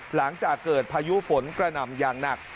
หลังจากเกิดพายุฝนกระหน่ำอย่างหนัก